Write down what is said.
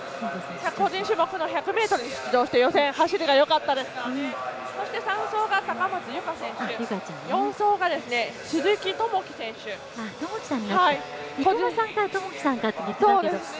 個人種目の１００ｍに出場して予選の走りよかったですからね。